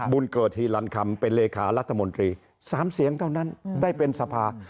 บุญเกิดฮีรันคำเป็นเลขารัฐมนตรี๓เสียงเท่านั้นได้เป็นสภา